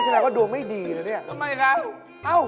อิสระก็ดูไม่ดีนะนี่ทำไมครับเอ้า